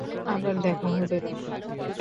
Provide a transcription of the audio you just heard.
আবার দেখা হবে, রয়।